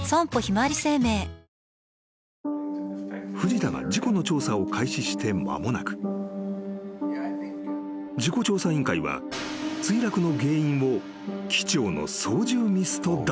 ［藤田が事故の調査を開始して間もなく事故調査委員会は墜落の原因を機長の操縦ミスと断定した］